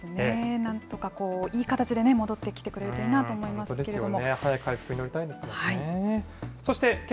なんとかいい形でね、戻ってきてくれるといいなと思いますけれども。